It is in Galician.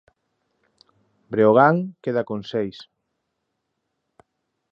Breogán queda con seis.